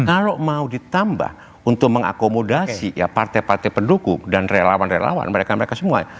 kalau mau ditambah untuk mengakomodasi ya partai partai pendukung dan relawan relawan mereka mereka semua ya